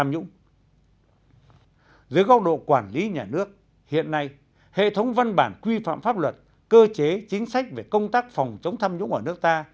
dưới góc độ quản lý nhà nước hiện nay hệ thống văn bản quy phạm pháp luật cơ chế chính sách về công tác phòng chống tham nhũng ở nước ta